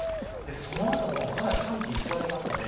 その後もまだ寒気は居座ります。